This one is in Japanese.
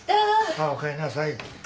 ああおかえんなさい。